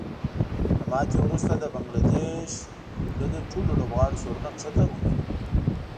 له ماتې وروسته د بنګلادیش لوبډلې ټولو لوبغاړو سرونه ښکته ونیول